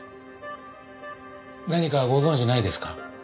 何かご存じないですか？